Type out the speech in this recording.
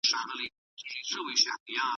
نوي کتابونه په عامه کتابتونونو کي اېښودل سوي دي.